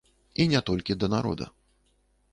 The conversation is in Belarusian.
І не толькі да народа.